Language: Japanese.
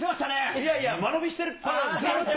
いやいや、間延びしてる。